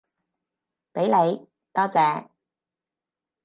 畀你，多謝